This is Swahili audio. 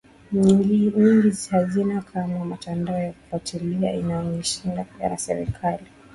nyingi hazina kamwe mitandao ya kufuatilia inayoendeshwa na serikali